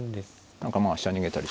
何かまあ飛車逃げたりして。